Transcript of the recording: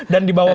dan di bawah